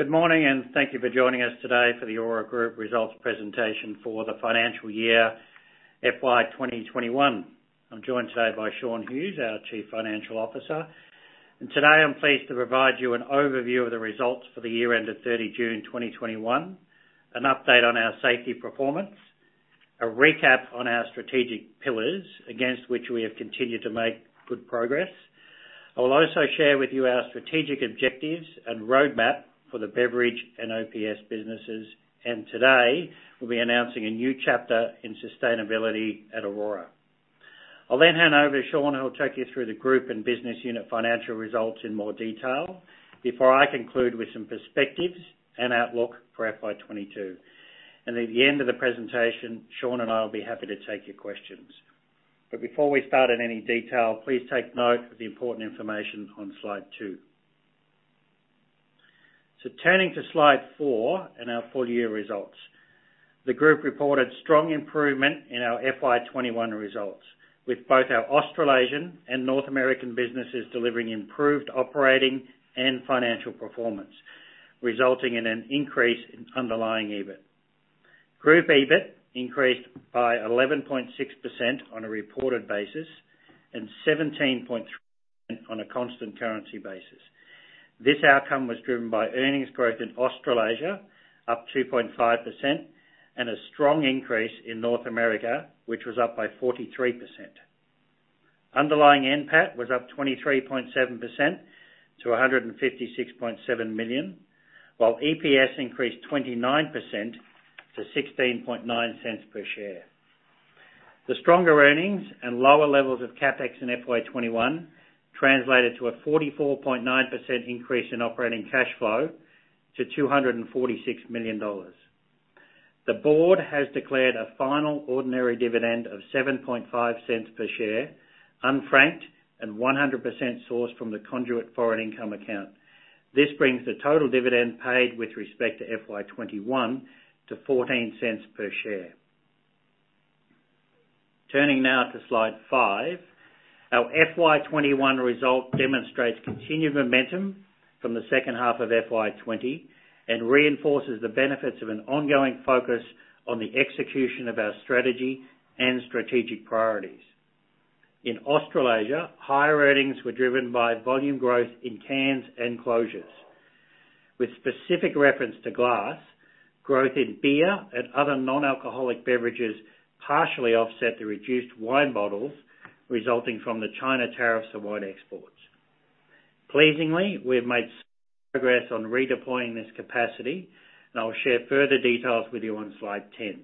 Good morning, thank you for joining us today for the Orora Group results presentation for the financial year FY 2021. I'm joined today by Shaun Hughes, our Chief Financial Officer. Today I'm pleased to provide you an overview of the results for the year end of 30 June 2021, an update on our safety performance, a recap on our strategic pillars against which we have continued to make good progress. I will also share with you our strategic objectives and roadmap for the beverage and OPS businesses. Today we'll be announcing a new chapter in sustainability at Orora. I'll then hand over to Shaun, who will take you through the group and business unit financial results in more detail before I conclude with some perspectives and outlook for FY 2022. At the end of the presentation, Shaun and I will be happy to take your questions. Before we start in any detail, please take note of the important information on slide two. Turning to slide four and our full year results. The group reported strong improvement in our FY 2021 results with both our Australasian and North American businesses delivering improved operating and financial performance, resulting in an increase in underlying EBIT. Group EBIT increased by 11.6% on a reported basis and 17.3% on a constant currency basis. This outcome was driven by earnings growth in Australasia up 2.5%, and a strong increase in North America, which was up by 43%. Underlying NPAT was up 23.7% to 156.7 million, while EPS increased 29% to 0.169 per share. The stronger earnings and lower levels of CapEx in FY 2021 translated to a 44.9% increase in operating cash flow to 246 million dollars. The board has declared a final ordinary dividend of 0.075 per share, unfranked and 100% sourced from the conduit foreign income account. This brings the total dividend paid with respect to FY 2021 to 0.14 per share. Turning now to slide five. Our FY 2021 result demonstrates continued momentum from the second half of FY 2020, and reinforces the benefits of an ongoing focus on the execution of our strategy and strategic priorities. In Australasia, higher earnings were driven by volume growth in cans and closures. With specific reference to glass, growth in beer and other non-alcoholic beverages partially offset the reduced wine bottles resulting from the China tariffs on wine exports. Pleasingly, we have made progress on redeploying this capacity, and I'll share further details with you on slide 10.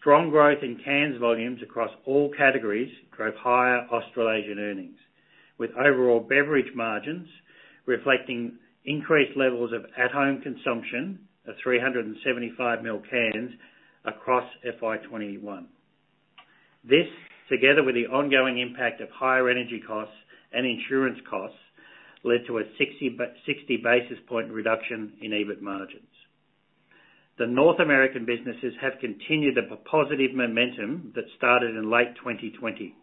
Strong growth in cans volumes across all categories drove higher Australasian earnings, with overall beverage margins reflecting increased levels of at-home consumption of 375ml cans across FY 2021. This, together with the ongoing impact of higher energy costs and insurance costs, led to a 60 basis point reduction in EBIT margins. The North American businesses have continued the positive momentum that started in late 2020,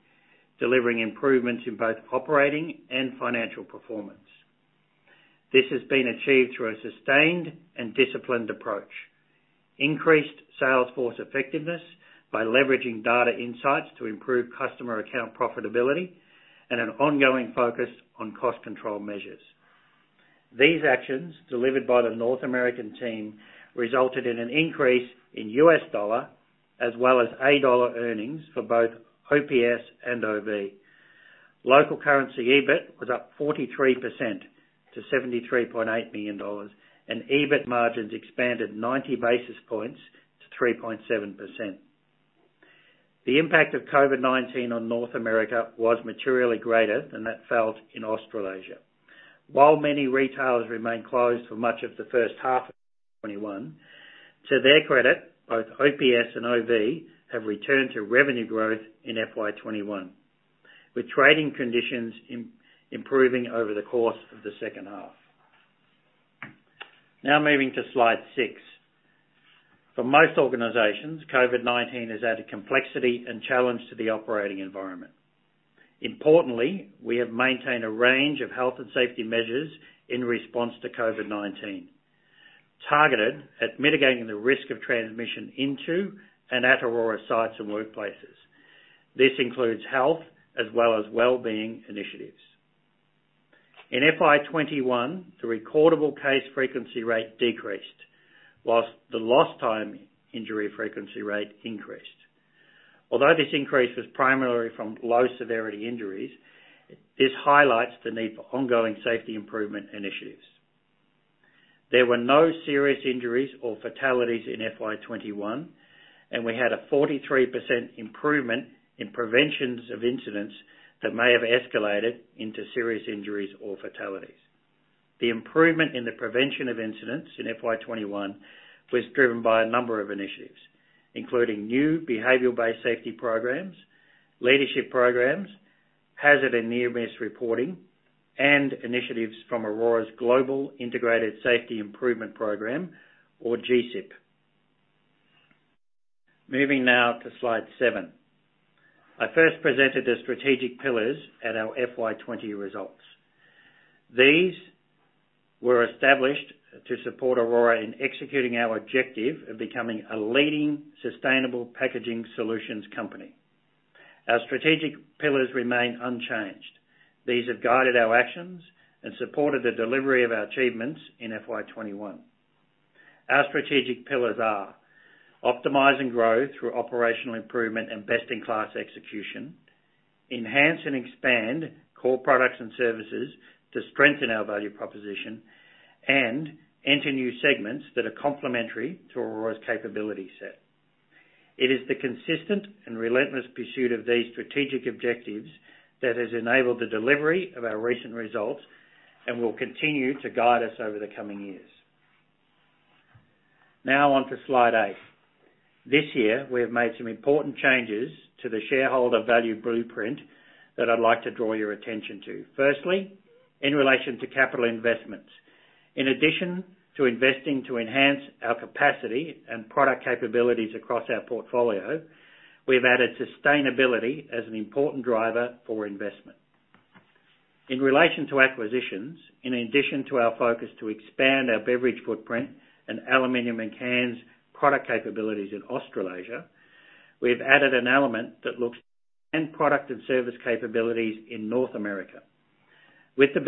delivering improvements in both operating and financial performance. This has been achieved through a sustained and disciplined approach, increased sales force effectiveness by leveraging data insights to improve customer account profitability, and an ongoing focus on cost control measures. These actions, delivered by the North American team, resulted in an increase in U.S. dollar as well as AUD earnings for both OPS and OV. Local currency EBIT was up 43% to 73.8 million dollars, and EBIT margins expanded 90 basis points to 3.7%. The impact of COVID-19 on North America was materially greater than that felt in Australasia. While many retailers remained closed for much of the first half of 2021, to their credit, both OPS and OV have returned to revenue growth in FY 2021, with trading conditions improving over the course of the second half. Moving to slide six. For most organizations, COVID-19 has added complexity and challenge to the operating environment. Importantly, we have maintained a range of health and safety measures in response to COVID-19, targeted at mitigating the risk of transmission into and at Orora sites and workplaces. This includes health as well as wellbeing initiatives. In FY 2021, the recordable case frequency rate decreased, while the lost time injury frequency rate increased. Although this increase was primarily from low-severity injuries, this highlights the need for ongoing safety improvement initiatives. There were no serious injuries or fatalities in FY 2021. We had a 43% improvement in preventions of incidents that may have escalated into serious injuries or fatalities. The improvement in the prevention of incidents in FY 2021 was driven by a number of initiatives, including new behavior-based safety programs, leadership programs, hazard and near-miss reporting, and initiatives from Orora's Global Integrated Safety Improvement Program, or GISIP. Moving now to slide seven. I first presented the strategic pillars at our FY 2020 results. These were established to support Orora in executing our objective of becoming a leading sustainable packaging solutions company. Our strategic pillars remain unchanged. These have guided our actions and supported the delivery of our achievements in FY 2021. Our strategic pillars are: optimize and grow through operational improvement and best-in-class execution, enhance and expand core products and services to strengthen our value proposition, and enter new segments that are complementary to Orora's capability set. It is the consistent and relentless pursuit of these strategic objectives that has enabled the delivery of our recent results and will continue to guide us over the coming years. On to slide eight. This year we have made some important changes to the shareholder value blueprint that I'd like to draw your attention to. Firstly, in relation to capital investments. In addition to investing to enhance our capacity and product capabilities across our portfolio, we've added sustainability as an important driver for investment. In relation to acquisitions, in addition to our focus to expand our beverage footprint and aluminum and cans product capabilities in Australasia, we've added an element that looks end product and service capabilities in North America. With the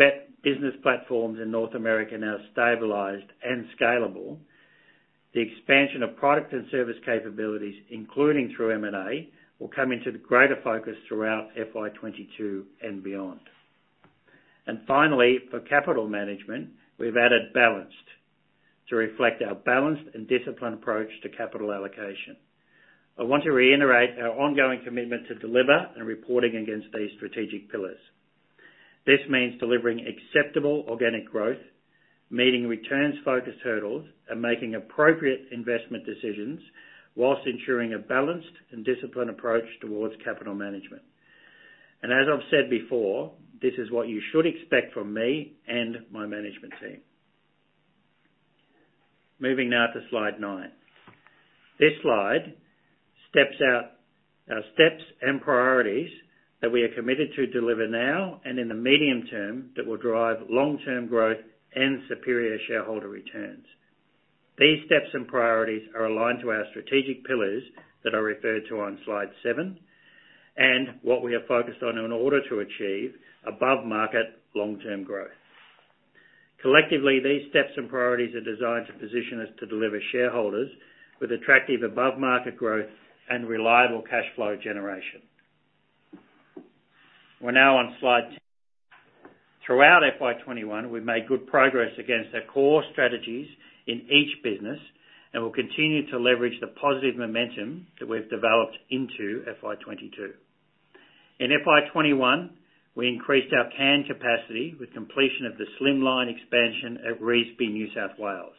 business platforms in North America now stabilized and scalable, the expansion of product and service capabilities, including through M&A, will come into greater focus throughout FY 2022 and beyond. Finally, for capital management, we've added balanced to reflect our balanced and disciplined approach to capital allocation. I want to reiterate our ongoing commitment to deliver and reporting against these strategic pillars. This means delivering acceptable organic growth, meeting returns-focused hurdles, and making appropriate investment decisions whilst ensuring a balanced and disciplined approach towards capital management. As I've said before, this is what you should expect from me and my management team. Moving now to slide nine. This slide steps out our steps and priorities that we are committed to deliver now and in the medium term that will drive long-term growth and superior shareholder returns. These steps and priorities are aligned to our strategic pillars that are referred to on slide seven, and what we are focused on in order to achieve above-market long-term growth. Collectively, these steps and priorities are designed to position us to deliver shareholders with attractive above-market growth and reliable cash flow generation. We're now on slide 10. Throughout FY 2021, we've made good progress against our core strategies in each business and will continue to leverage the positive momentum that we've developed into FY 2022. In FY 2021, we increased our can capacity with completion of the Slimline expansion at Revesby, New South Wales.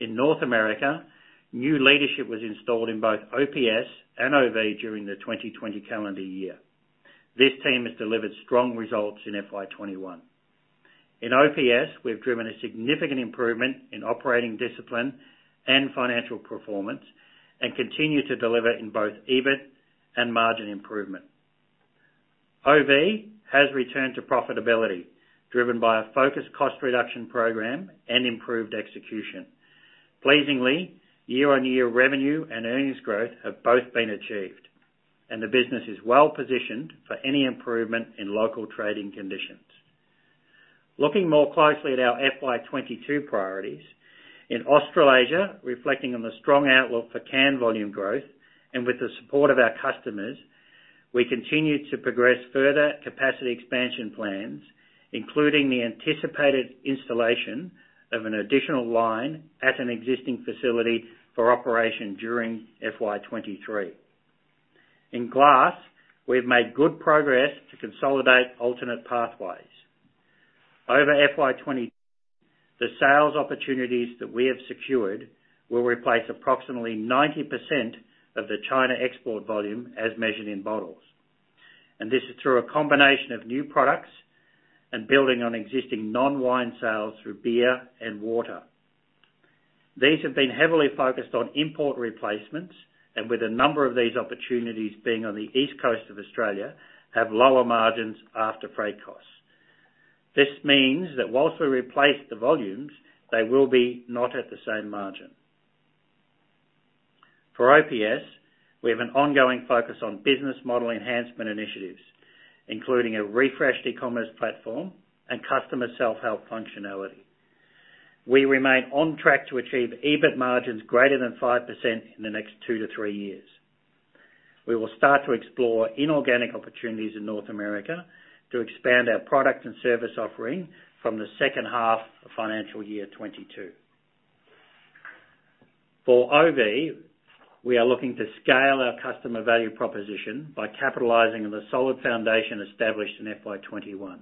In North America, new leadership was installed in both OPS and OV during the 2020 calendar year. This team has delivered strong results in FY 2021. In OPS, we've driven a significant improvement in operating discipline and financial performance and continue to deliver in both EBIT and margin improvement. OV has returned to profitability, driven by a focused cost reduction program and improved execution. Pleasingly, year-on-year revenue and earnings growth have both been achieved, and the business is well positioned for any improvement in local trading conditions. Looking more closely at our FY 2022 priorities. In Australasia, reflecting on the strong outlook for can volume growth and with the support of our customers, we continue to progress further capacity expansion plans, including the anticipated installation of an additional line at an existing facility for operation during FY 2023. In glass, we've made good progress to consolidate alternate pathways. Over FY 2020, the sales opportunities that we have secured will replace approximately 90% of the China export volume as measured in bottles. This is through a combination of new products and building on existing non-wine sales through beer and water. These have been heavily focused on import replacements, and with a number of these opportunities being on the East Coast of Australia, have lower margins after freight costs. This means that while we replace the volumes, they will be not at the same margin. For OPS, we have an ongoing focus on business model enhancement initiatives, including a refreshed e-commerce platform and customer self-help functionality. We remain on track to achieve EBIT margins greater than 5% in the next two to three years. We will start to explore inorganic opportunities in North America to expand our product and service offering from the second half of FY 2022. For OV, we are looking to scale our customer value proposition by capitalizing on the solid foundation established in FY 2021.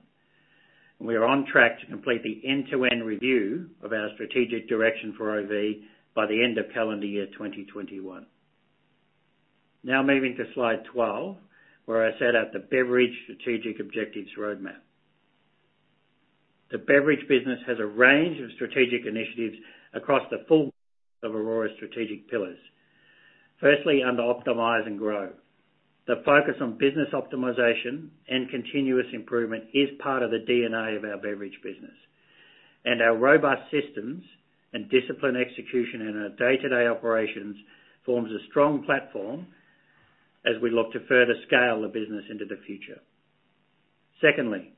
We are on track to complete the end-to-end review of our strategic direction for OV by the end of calendar year 2021. Now moving to slide 12, where I set out the beverage strategic objectives roadmap. The beverage business has a range of strategic initiatives across the full of Orora's strategic pillars. Firstly, under Optimize and Grow. The focus on business optimization and continuous improvement is part of the DNA of our beverage business, and our robust systems and discipline execution in our day-to-day operations forms a strong platform as we look to further scale the business into the future. Secondly,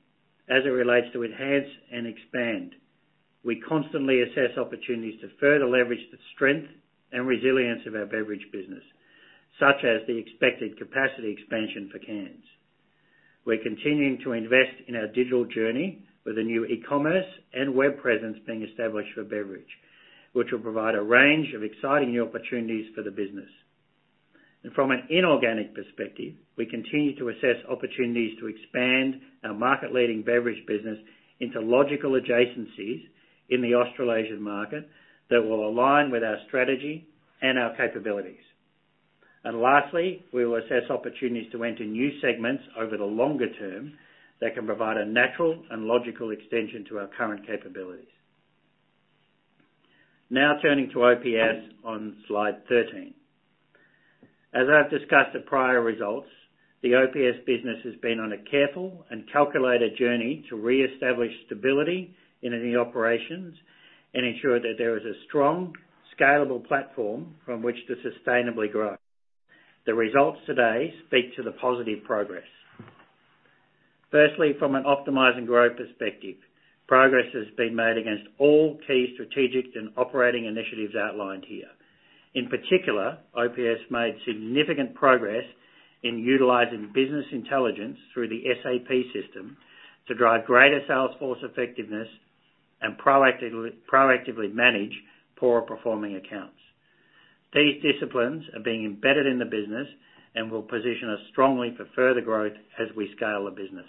as it relates to Enhance and Expand, we constantly assess opportunities to further leverage the strength and resilience of our beverage business, such as the expected capacity expansion for cans. We're continuing to invest in our digital journey with a new e-commerce and web presence being established for beverage, which will provide a range of exciting new opportunities for the business. From an inorganic perspective, we continue to assess opportunities to expand our market-leading beverage business into logical adjacencies in the Australasian market that will align with our strategy and our capabilities. Lastly, we will assess opportunities to enter new segments over the longer term that can provide a natural and logical extension to our current capabilities. Turning to OPS on slide 13. As I've discussed the prior results, the OPS business has been on a careful and calculated journey to reestablish stability in the operations and ensure that there is a strong, scalable platform from which to sustainably grow. The results today speak to the positive progress. Firstly, from an optimize and growth perspective, progress has been made against all key strategic and operating initiatives outlined here. In particular, OPS made significant progress in utilizing business intelligence through the SAP system to drive greater sales force effectiveness and proactively manage poor performing accounts. These disciplines are being embedded in the business and will position us strongly for further growth as we scale the business.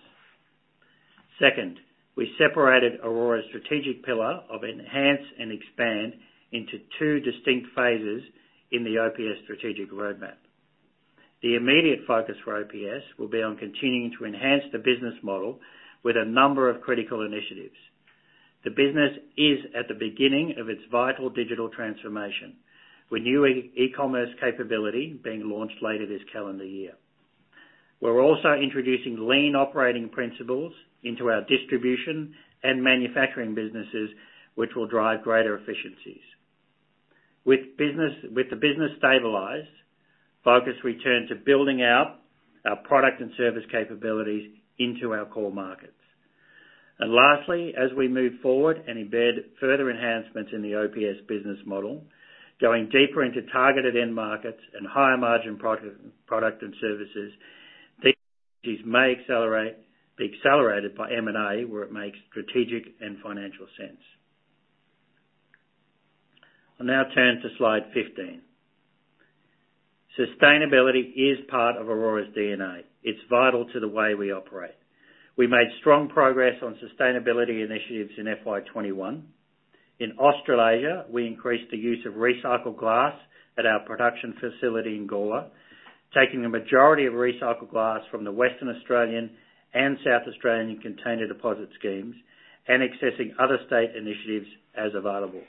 Second, we separated Orora's strategic pillar of enhance and expand into two distinct phases in the OPS strategic roadmap. The immediate focus for OPS will be on continuing to enhance the business model with a number of critical initiatives. The business is at the beginning of its vital digital transformation, with new e-commerce capability being launched later this calendar year. We're also introducing lean operating principles into our distribution and manufacturing businesses, which will drive greater efficiencies. With the business stabilized, focus will turn to building out our product and service capabilities into our core markets. Lastly, as we move forward and embed further enhancements in the OPS business model, going deeper into targeted end markets and higher margin product and services, these may be accelerated by M&A where it makes strategic and financial sense. I'll now turn to slide 15. Sustainability is part of Orora's DNA. It's vital to the way we operate. We made strong progress on sustainability initiatives in FY 2021. In Australasia, we increased the use of recycled glass at our production facility in Gawler, taking the majority of recycled glass from the Western Australian and South Australian container deposit schemes and accessing other state initiatives as available.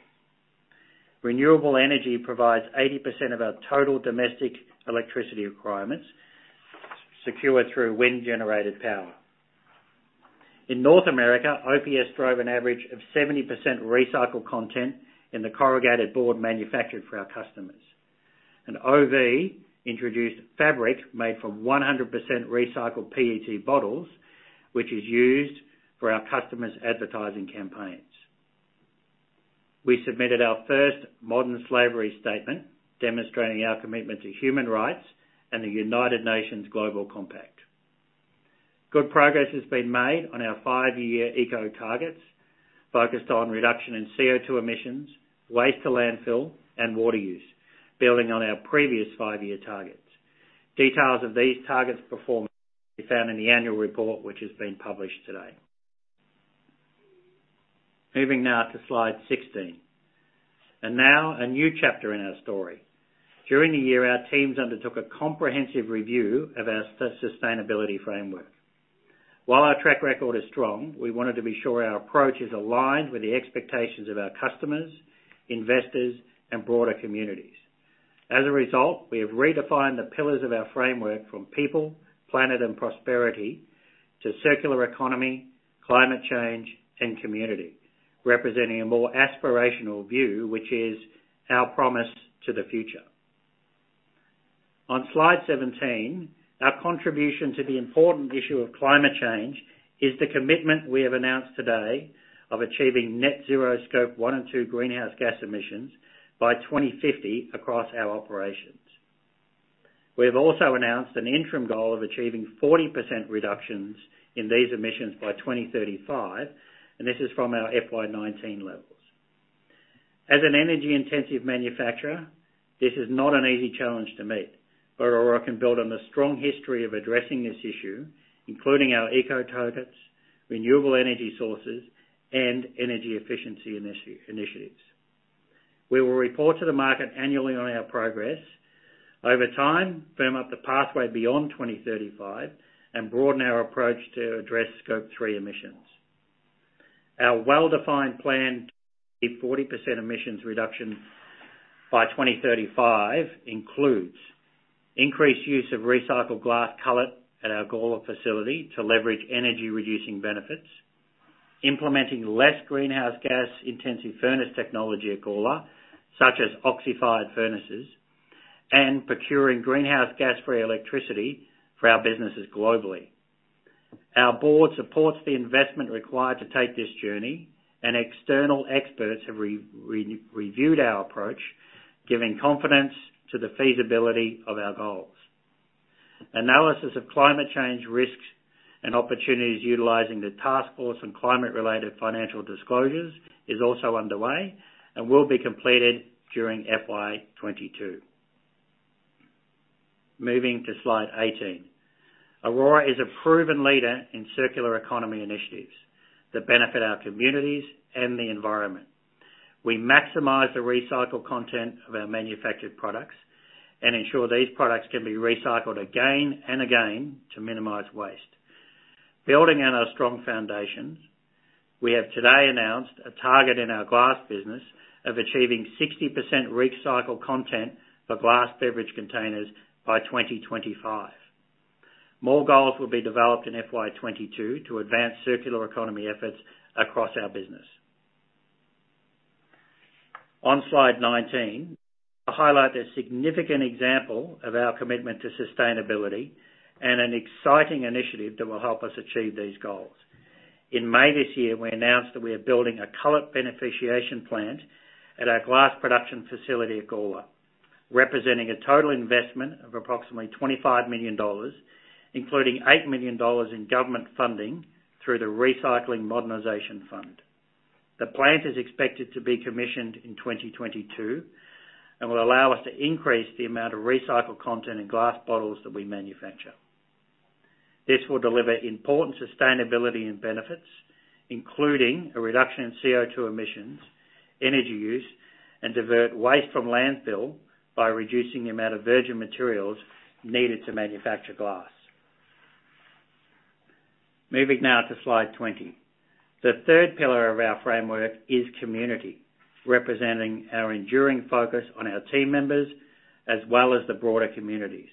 Renewable energy provides 80% of our total domestic electricity requirements, secure through wind-generated power. In North America, OPS drove an average of 70% recycled content in the corrugated board manufactured for our customers. OV introduced fabric made from 100% recycled PET bottles, which is used for our customers' advertising campaigns. We submitted our first Modern Slavery Statement demonstrating our commitment to human rights and the United Nations Global Compact. Good progress has been made on our five-year eco targets, focused on reduction in CO2 emissions, waste to landfill, and water use, building on our previous five-year targets. Details of these targets performance can be found in the annual report, which has been published today. Moving now to slide 16. Now a new chapter in our story. During the year, our teams undertook a comprehensive review of our sustainability framework. While our track record is strong, we wanted to be sure our approach is aligned with the expectations of our customers, investors, and broader communities. As a result, we have redefined the pillars of our framework from people, planet, and prosperity to circular economy, climate change, and community, representing a more aspirational view, which is our promise to the future. On slide 17, our contribution to the important issue of climate change is the commitment we have announced today of achieving net zero Scope one and two greenhouse gas emissions by 2050 across our operations. We have also announced an interim goal of achieving 40% reductions in these emissions by 2035, and this is from our FY 2019 levels. As an energy-intensive manufacturer, this is not an easy challenge to meet. Orora can build on the strong history of addressing this issue, including our eco targets, renewable energy sources, and energy efficiency initiatives. We will report to the market annually on our progress. Over time, firm up the pathway beyond 2035 and broaden our approach to address Scope three emissions. Our well-defined plan to hit 40% emissions reduction by 2035 includes increased use of recycled glass cullet at our Gawler facility to leverage energy reducing benefits, implementing less greenhouse gas intensive furnace technology at Gawler, such as oxy-fired furnaces, and procuring greenhouse gas-free electricity for our businesses globally. Our board supports the investment required to take this journey, and external experts have reviewed our approach, giving confidence to the feasibility of our goals. Analysis of climate change risks and opportunities utilizing the Task Force on Climate-Related Financial Disclosures is also underway and will be completed during FY 2022. Moving to slide 18. Orora is a proven leader in circular economy initiatives that benefit our communities and the environment. We maximize the recycled content of our manufactured products and ensure these products can be recycled again and again to minimize waste. Building on our strong foundations, we have today announced a target in our glass business of achieving 60% recycled content for glass beverage containers by 2025. More goals will be developed in FY 2022 to advance circular economy efforts across our business. On slide 19, I highlight the significant example of our commitment to sustainability and an exciting initiative that will help us achieve these goals. In May this year, we announced that we are building a cullet beneficiation plant at our glass production facility at Gawler, representing a total investment of approximately 25 million dollars, including 8 million dollars in government funding through the Recycling Modernisation Fund. The plant is expected to be commissioned in 2022 and will allow us to increase the amount of recycled content in glass bottles that we manufacture. This will deliver important sustainability and benefits, including a reduction in CO2 emissions, energy use, and divert waste from landfill by reducing the amount of virgin materials needed to manufacture glass. Moving now to slide 20. The third pillar of our framework is community, representing our enduring focus on our team members as well as the broader communities.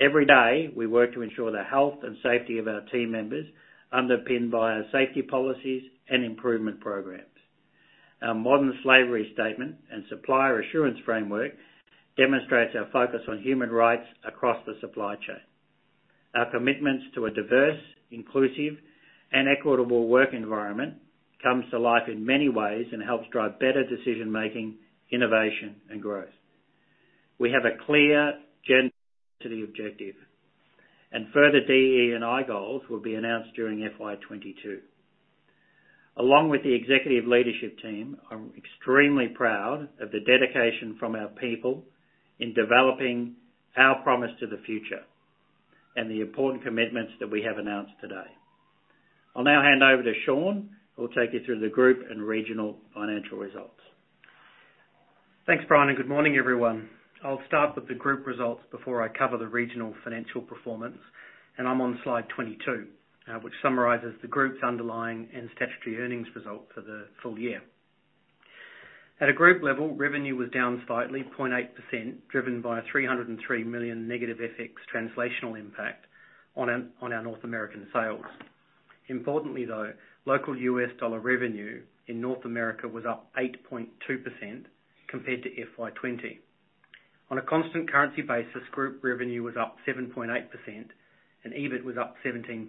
Every day, we work to ensure the health and safety of our team members, underpinned by our safety policies and improvement programs. Our Modern Slavery Statement and supplier assurance framework demonstrates our focus on human rights across the supply chain. Our commitments to a diverse, inclusive and equitable work environment comes to life in many ways and helps drive better decision making, innovation, and growth. We have a clear gender to the objective, and further DE&I goals will be announced during FY 2022. Along with the executive leadership team, I'm extremely proud of the dedication from our people in developing our promise to the future and the important commitments that we have announced today. I'll now hand over to Shaun, who will take you through the group and regional financial results. Thanks, Brian, good morning, everyone. I'll start with the group results before I cover the regional financial performance. I'm on slide 22, which summarizes the group's underlying and statutory earnings result for the full year. At a group level, revenue was down slightly, 0.8%, driven by an 303 million negative FX translational impact on our North American sales. Importantly, though, local U.S. dollar revenue in North America was up 8.2% compared to FY 2020. On a constant currency basis, group revenue was up 7.8%, EBIT was up 17.3%.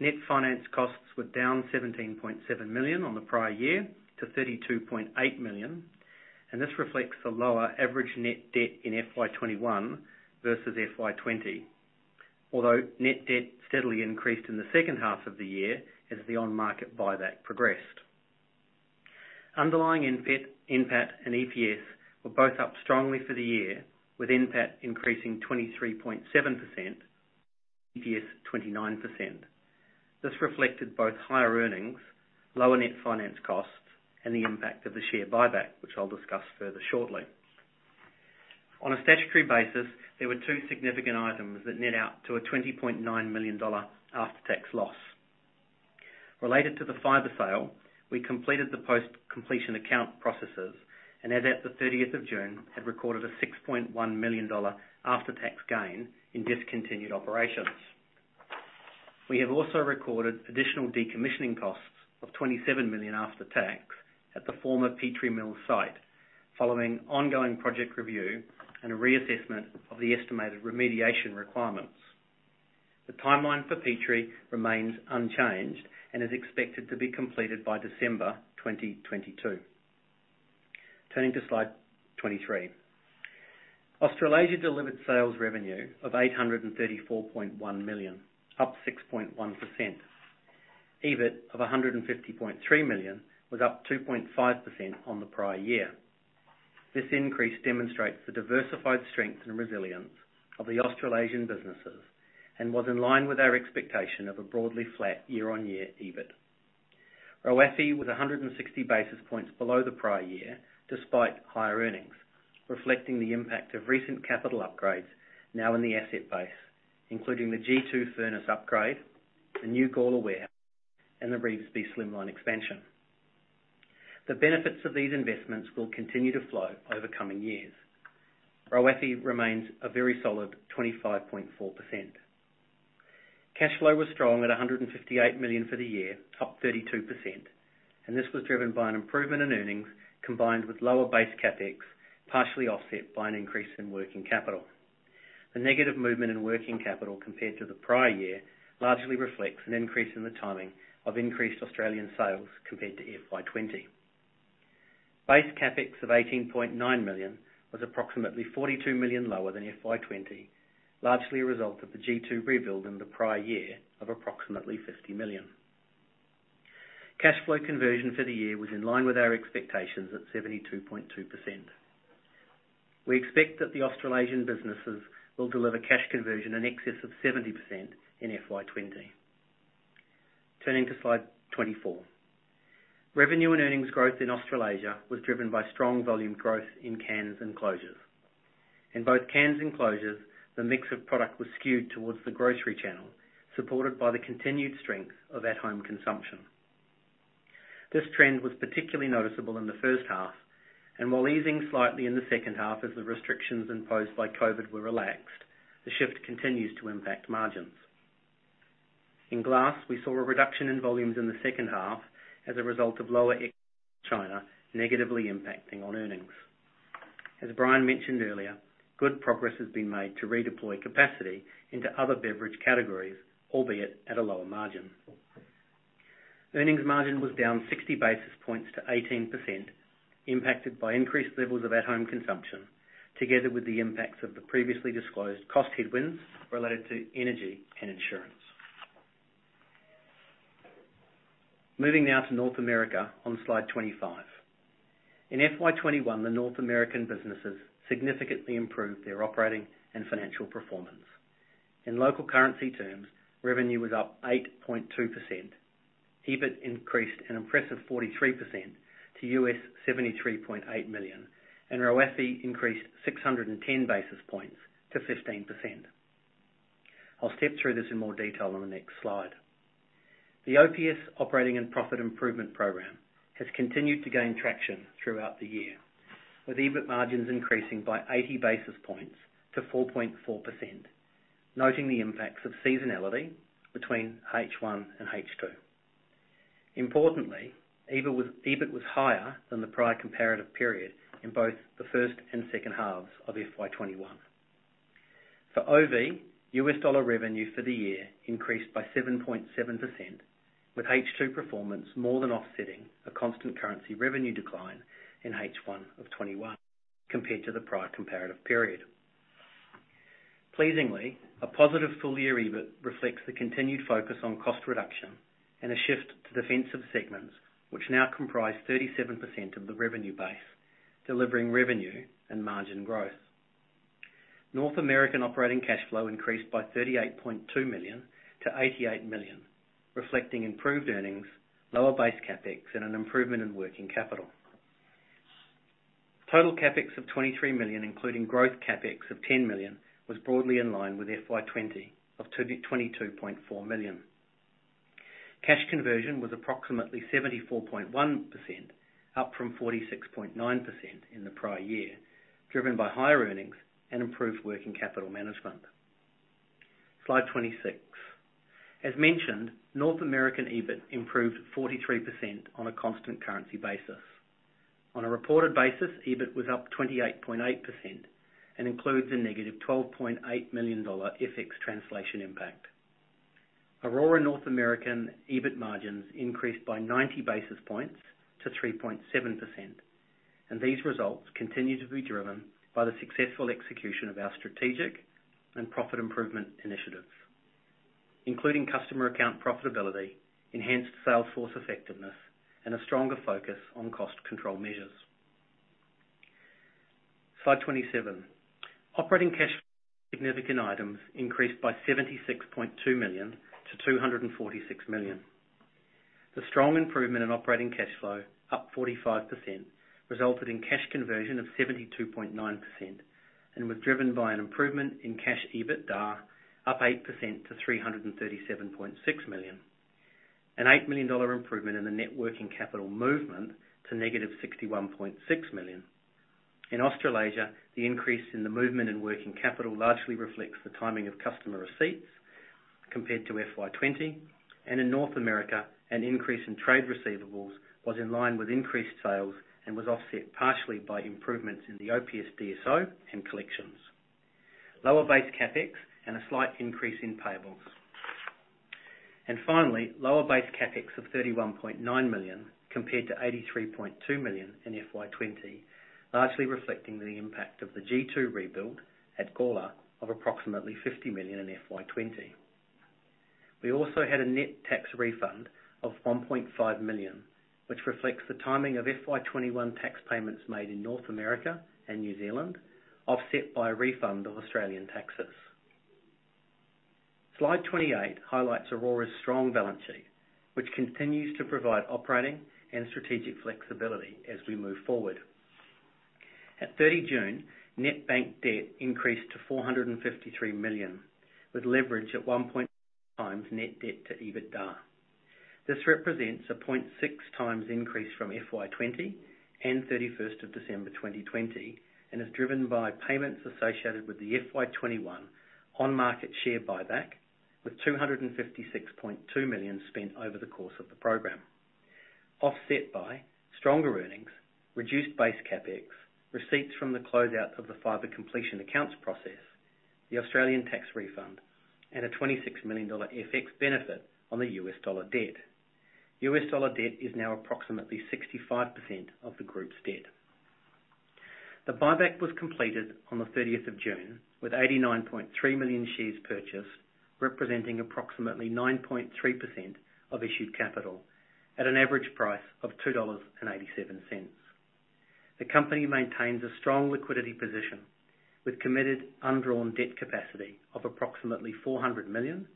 Net finance costs were down 17.7 million on the prior year to 32.8 million, this reflects the lower average net debt in FY 2021 versus FY 2020. Although net debt steadily increased in the second half of the year as the on-market buyback progressed. Underlying NPAT and EPS were both up strongly for the year, with NPAT increasing 23.7%, EPS 29%. This reflected both higher earnings, lower net finance costs, and the impact of the share buyback, which I'll discuss further shortly. On a statutory basis, there were two significant items that net out to an 20.9 million dollar after-tax loss. Related to the fiber sale, we completed the post-completion account processes and as at the 30th of June, had recorded an 6.1 million dollar after-tax gain in discontinued operations. We have also recorded additional decommissioning costs of 27 million after tax at the former Petrie Mill site, following ongoing project review and a reassessment of the estimated remediation requirements. The timeline for Petrie remains unchanged and is expected to be completed by December 2022. Turning to slide 23. Australasia delivered sales revenue of 834.1 million, up 6.1%. EBIT of 150.3 million was up 2.5% on the prior year. This increase demonstrates the diversified strength and resilience of the Australasian businesses and was in line with our expectation of a broadly flat year-on-year EBIT. ROACE was 160 basis points below the prior year, despite higher earnings, reflecting the impact of recent capital upgrades now in the asset base, including the G2 furnace upgrade, the new Gawler warehouse, and the Revesby Slim expansion. The benefits of these investments will continue to flow over coming years. ROACE remains a very solid 25.4%. Cash flow was strong at 158 million for the year, up 32%. This was driven by an improvement in earnings combined with lower base CapEx, partially offset by an increase in working capital. The negative movement in working capital compared to the prior year largely reflects an increase in the timing of increased Australian sales compared to FY 2020. Base CapEx of 18.9 million was approximately 42 million lower than FY 2020, largely a result of the G2 rebuild in the prior year of approximately 50 million. Cash flow conversion for the year was in line with our expectations at 72.2%. We expect that the Australasian businesses will deliver cash conversion in excess of 70% in FY 2020. Turning to slide 24. Revenue and earnings growth in Australasia was driven by strong volume growth in cans and closures. In both cans and closures, the mix of product was skewed towards the grocery channel, supported by the continued strength of at-home consumption. This trend was particularly noticeable in the first half, and while easing slightly in the second half as the restrictions imposed by COVID-19 were relaxed, the shift continues to impact margins. In glass, we saw a reduction in volumes in the second half as a result of lower China, negatively impacting on earnings. As Brian mentioned earlier, good progress has been made to redeploy capacity into other beverage categories, albeit at a lower margin. Earnings margin was down 60 basis points to 18%, impacted by increased levels of at-home consumption, together with the impacts of the previously disclosed cost headwinds related to energy and insurance. Moving now to North America on slide 25. In FY 2021, the North American businesses significantly improved their operating and financial performance. In local currency terms, revenue was up 8.2%. EBIT increased an impressive 43% to 73.8 million, and ROACE increased 610 basis points to 15%. I'll step through this in more detail on the next slide. The OPS operating and profit improvement program has continued to gain traction throughout the year, with EBIT margins increasing by 80 basis points to 4.4%, noting the impacts of seasonality between H1 and H2. Importantly, EBIT was higher than the prior comparative period in both the first and second halves of FY 2021. For OV, U.S. dollar revenue for the year increased by 7.7%, with H2 performance more than offsetting a constant currency revenue decline in H1 of 2021 compared to the prior comparative period. Pleasingly, a positive full-year EBIT reflects the continued focus on cost reduction and a shift to defensive segments, which now comprise 37% of the revenue base, delivering revenue and margin growth. North American operating cash flow increased by 38.2 million to 88 million, reflecting improved earnings, lower base CapEx, and an improvement in working capital. Total CapEx of 23 million, including growth CapEx of 10 million, was broadly in line with FY 2020 of 22.4 million. Cash conversion was approximately 74.1%, up from 46.9% in the prior year, driven by higher earnings and improved working capital management. Slide 26. As mentioned, North American EBIT improved 43% on a constant currency basis. On a reported basis, EBIT was up 28.8% and includes a negative 12.8 million dollar FX translation impact. Orora North American EBIT margins increased by 90 basis points to 3.7%, and these results continue to be driven by the successful execution of our strategic and profit improvement initiatives, including customer account profitability, enhanced sales force effectiveness, and a stronger focus on cost control measures. Slide 27. Operating cash flow, significant items increased by 76.2 million to 246 million. The strong improvement in operating cash flow, up 45%, resulted in cash conversion of 72.9% and was driven by an improvement in cash EBITDA, up 8% to 337.6 million, an 8 million dollar improvement in the net working capital movement to negative 61.6 million. In Australasia, the increase in the movement in working capital largely reflects the timing of customer receipts compared to FY 2020, and in North America, an increase in trade receivables was in line with increased sales and was offset partially by improvements in the OPS DSO and collections. Lower base CapEx and a slight increase in payables. Finally, lower base CapEx of 31.9 million compared to 83.2 million in FY 2020, largely reflecting the impact of the G2 rebuild at Gawler of approximately 50 million in FY 2020. We also had a net tax refund of 1.5 million, which reflects the timing of FY 2021 tax payments made in North America and New Zealand, offset by a refund of Australian taxes. Slide 28 highlights Orora's strong balance sheet, which continues to provide operating and strategic flexibility as we move forward. At 30 June, net bank debt increased to 453 million, with leverage at 1.6 times net debt to EBITDA. This represents a 0.6 times increase from FY 2020 and 31 December 2020, and is driven by payments associated with the FY 2021 on-market share buyback, with 256.2 million spent over the course of the program. Offset by stronger earnings, reduced base CapEx, receipts from the closeout of the fiber completion accounts process, the Australian tax refund, and a 26 million dollar FX benefit on the U.S. dollar debt. U.S. dollar debt is now approximately 65% of the group's debt. The buyback was completed on the 30th of June, with 89.3 million shares purchased, representing approximately 9.3% of issued capital at an average price of 2.87 dollars. The company maintains a strong liquidity position, with committed undrawn debt capacity of approximately 400 million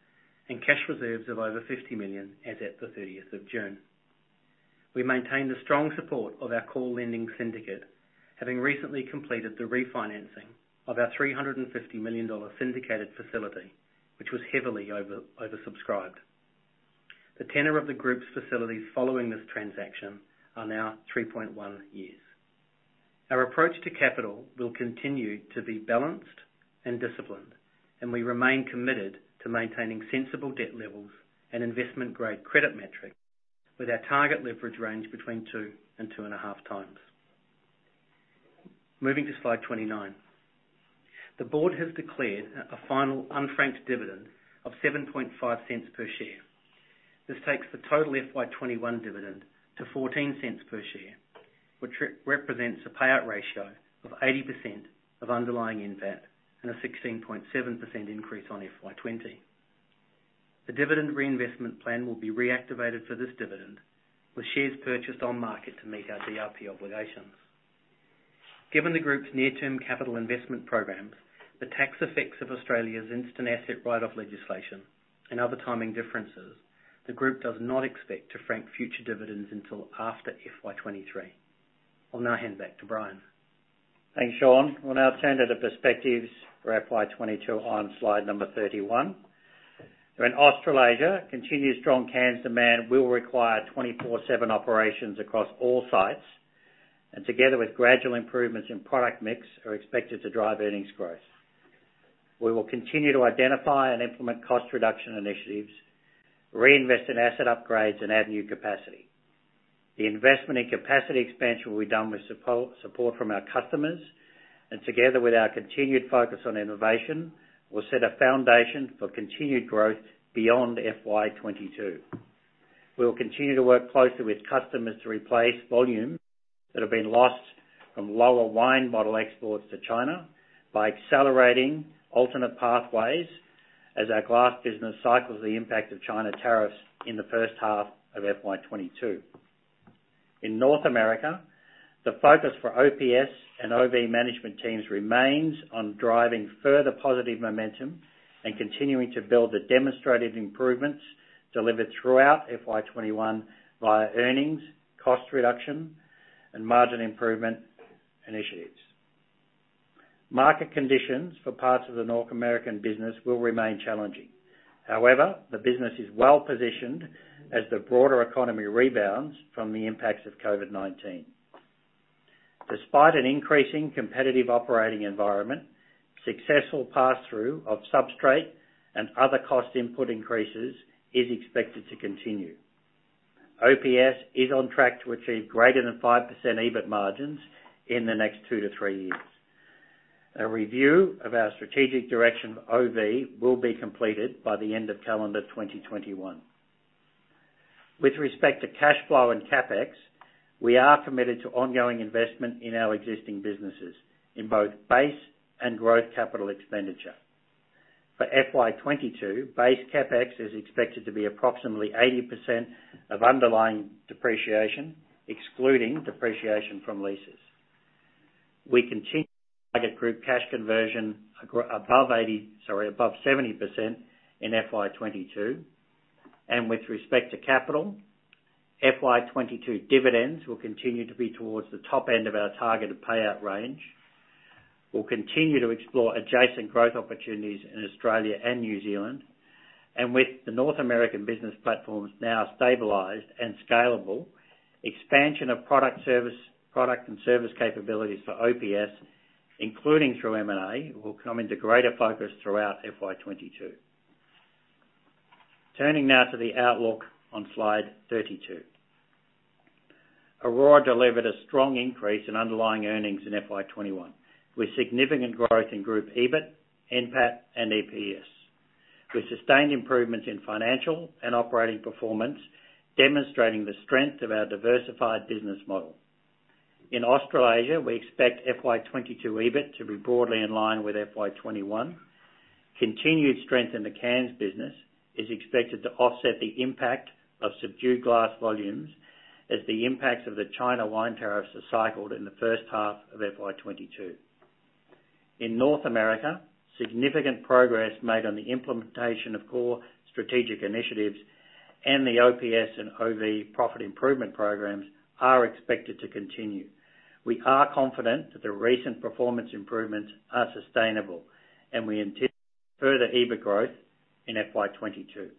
and cash reserves of over 50 million as at the 30th of June. We maintained the strong support of our lending syndicate, having recently completed the refinancing of our 350 million dollar syndicated facility, which was heavily oversubscribed. The tenor of the group's facilities following this transaction are now 3.1 years. Our approach to capital will continue to be balanced and disciplined, and we remain committed to maintaining sensible debt levels and investment-grade credit metrics with our target leverage range between two and 2.5 times. Moving to slide 29. The board has declared a final unfranked dividend of 0.075 per share. This takes the total FY 2021 dividend to 0.14 per share, which represents a payout ratio of 80% of underlying NPAT, and a 16.7% increase on FY 2020. The dividend reinvestment plan will be reactivated for this dividend, with shares purchased on market to meet our DRP obligations. Given the group's near-term capital investment programs, the tax effects of Australia's instant asset write-off legislation, and other timing differences, the group does not expect to frank future dividends until after FY 2023. I'll now hand back to Brian. Thanks, Shaun. We'll now turn to the perspectives for FY 2022 on slide number 31. In Australasia, continued strong cans demand will require 24/7 operations across all sites, and together with gradual improvements in product mix, are expected to drive earnings growth. We will continue to identify and implement cost reduction initiatives, reinvest in asset upgrades, and add new capacity. The investment and capacity expansion will be done with support from our customers, and together with our continued focus on innovation, will set a foundation for continued growth beyond FY 2022. We will continue to work closely with customers to replace volumes that have been lost from lower wine bottle exports to China by accelerating alternate pathways as our glass business cycles the impact of China tariffs in the first half of FY 2022. In North America, the focus for OPS and OV management teams remains on driving further positive momentum and continuing to build the demonstrated improvements delivered throughout FY 2021 via earnings, cost reduction, and margin improvement initiatives. Market conditions for parts of the North American business will remain challenging. However, the business is well-positioned as the broader economy rebounds from the impacts of COVID-19. Despite an increasing competitive operating environment, successful passthrough of substrate and other cost input increases is expected to continue. OPS is on track to achieve greater than 5% EBIT margins in the next two to three years. A review of our strategic direction for OV will be completed by the end of calendar 2021. With respect to cash flow and CapEx, we are committed to ongoing investment in our existing businesses in both base and growth capital expenditure. For FY 2022, base CapEx is expected to be approximately 80% of underlying depreciation, excluding depreciation from leases. We continue to target group cash conversion above 70% in FY 2022. With respect to capital, FY 2022 dividends will continue to be towards the top end of our targeted payout range. We'll continue to explore adjacent growth opportunities in Australia and New Zealand. With the North American business platforms now stabilized and scalable, expansion of product and service capabilities for OPS, including through M&A, will come into greater focus throughout FY 2022. Turning now to the outlook on slide 32. Orora delivered a strong increase in underlying earnings in FY 2021, with significant growth in group EBIT, NPAT and EPS. We sustained improvements in financial and operating performance, demonstrating the strength of our diversified business model. In Australasia, we expect FY 2022 EBIT to be broadly in line with FY 2021. Continued strength in the cans business is expected to offset the impact of subdued glass volumes as the impacts of the China wine tariffs are cycled in the first half of FY 2022. In North America, significant progress made on the implementation of core strategic initiatives and the OPS and OV profit improvement programs are expected to continue. We are confident that the recent performance improvements are sustainable, and we anticipate further EBIT growth in FY 2022.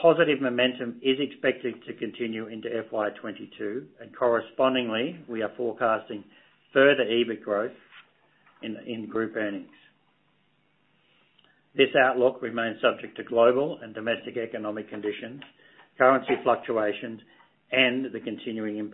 Positive momentum is expected to continue into FY 2022, and correspondingly, we are forecasting further EBIT growth in group earnings. This outlook remains subject to global and domestic economic conditions, currency fluctuations, and the continuing impact-